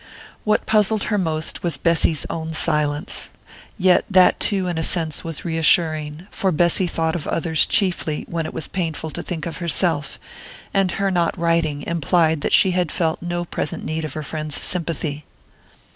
What puzzled her most was Bessy's own silence yet that too, in a sense, was reassuring, for Bessy thought of others chiefly when it was painful to think of herself, and her not writing implied that she had felt no present need of her friend's sympathy.